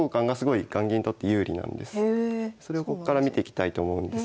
それをこっから見ていきたいと思うんですけど。